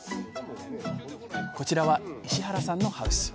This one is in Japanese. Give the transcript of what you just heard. こちらは石原さんのハウス。